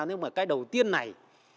nếu mà cái đầu tiên này